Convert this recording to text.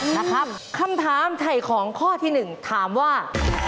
นะครับคำถามไถ่ของข้อที่๑ถามว่า